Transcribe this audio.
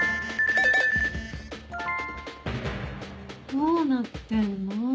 どうなってんの？